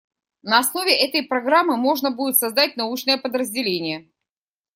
На основе этой программы можно будет создать научное подразделение.